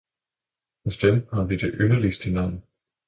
Hos dem har vi det yndeligste navn.